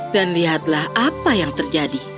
dan lihatlah apa yang terjadi